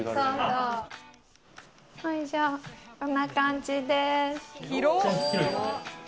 こんな感じです。